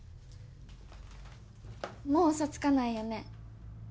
もうウソつかないよね？